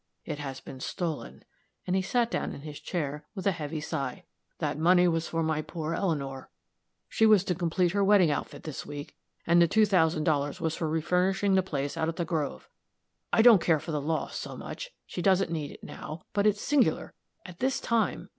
It has been stolen" and he sat down in his chair with a heavy sigh. "That money was for my poor Eleanor. She was to complete her wedding outfit this week, and the two thousand dollars was for refurnishing the place out at the Grove. I don't care for the loss so much she doesn't need it now but it's singular at this time!"